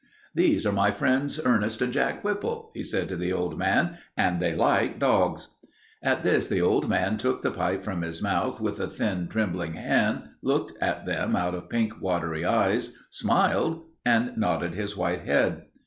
"These are my friends Ernest and Jack Whipple," he said to the old man, "and they like dogs." At this the old man took his pipe from his mouth with a thin, trembling hand, looked at them out of pink, watery eyes, smiled, and nodded his white head.